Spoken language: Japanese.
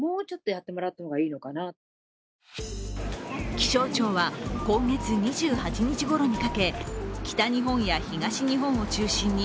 気象庁は、今月２８日ごろにかけ北日本や東日本を中心に